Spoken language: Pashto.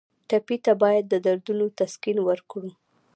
ټپي ته باید د دردونو تسکین ورکړو.